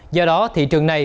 do đó thị trường này